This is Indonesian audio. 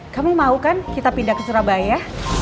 kamu mau kan kita pindah ke surabaya